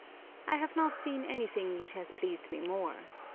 I have not seen anything which has pleased me more.